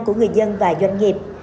của người dân và doanh nghiệp